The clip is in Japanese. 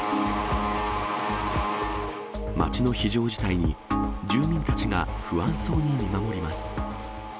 町の非常事態に、住民たちが不安そうに見守ります。